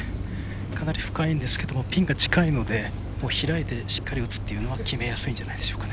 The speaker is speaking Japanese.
かなり深いんですけどピンが近いので開いてしっかり打つというのは決めやすいんじゃないでしょうか。